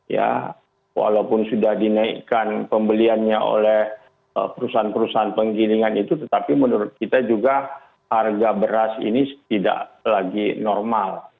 ya walaupun sudah dinaikkan pembeliannya oleh perusahaan perusahaan penggilingan itu tetapi menurut kita juga harga beras ini tidak lagi normal